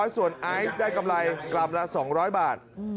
๓๑๐๐ส่วนไอซได้กำไรความละ๒๐๐บาท